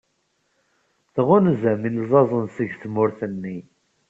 Tɣunzam ilzazen seg tmurt-nni.